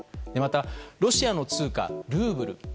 また、ロシアの通貨ルーブル。